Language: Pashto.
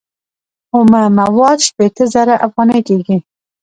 اومه مواد شپیته زره افغانۍ کېږي